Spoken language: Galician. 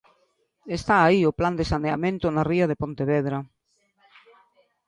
Está aí o Plan de saneamento na ría de Pontevedra.